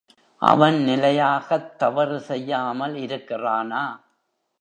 அவன் நிலையாகத் தவறு செய்யாமல் இருக்கிறானா?